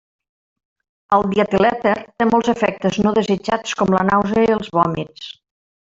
El dietilèter té molts efectes no desitjats com la nàusea i els vòmits.